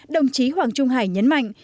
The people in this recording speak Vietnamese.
đồng chí hoàng trung hải nhấn mạnh